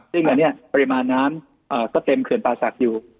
ซึ่งอันนี้ปริมาณน้ำก็เต็มเขื่อนป่าศักดิ์อยู่